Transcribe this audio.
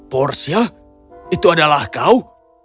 portia itu adalah kau